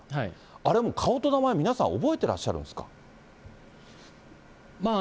あれ、もう顔と名前、皆さん、覚えてらっしゃるんですか。